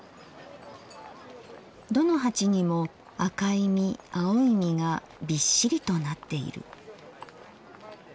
どの鉢にも赤い実青い実がびっしりとなっている。